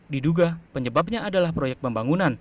diduga penyebabnya adalah proyek pembangunan